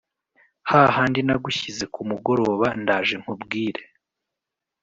hahandi nagushyize kumugoroba ndaje nkubwire”